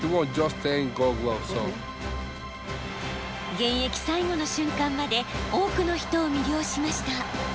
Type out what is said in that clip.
現役最後の瞬間まで多くの人を魅了しました。